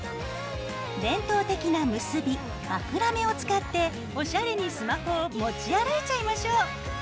伝統的な「結び」まくらめを使っておしゃれにスマホを持ち歩いちゃいましょう！